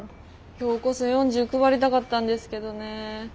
今日こそ４０配りたかったんですけどね。